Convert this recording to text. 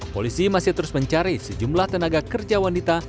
polisi masih terus mencari sejumlah tenaga kerja wanita